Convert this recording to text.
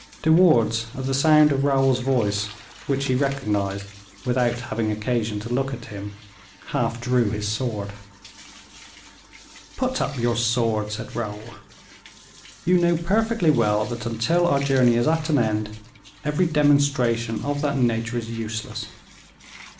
De Wardes, at the sound of Raoul's voice, which he recognized without having occasion to look at him, half drew his sword. "Put up your sword," said Raoul; "you know perfectly well that, until our journey is at an end, every demonstration of that nature is useless.